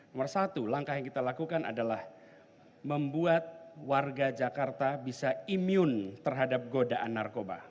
nomor satu langkah yang kita lakukan adalah membuat warga jakarta bisa imun terhadap godaan narkoba